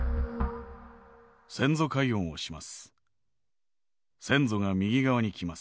先祖解怨をします。